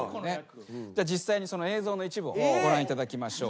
実際にその映像の一部をご覧いただきましょう。